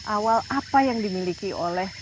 awal apa yang dimiliki oleh